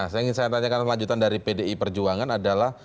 saya ingin saya tanyakan lanjutan dari pdi perjuangan adalah